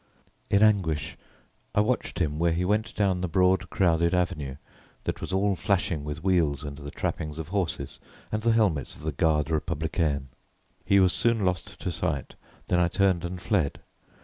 In anguish I watched him where he went down the broad crowded Avenue, that was all flashing with wheels and the trappings of horses and the helmets of the Garde Republicaine. He was soon lost to sight; then I turned and fled.